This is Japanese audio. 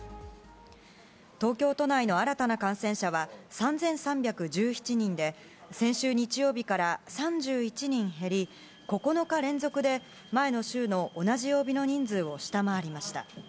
東京都内の新たな感染者は３３１７人で、先週日曜日から３１人減り、９日連続で前の週の同じ曜日の人数を下回りました。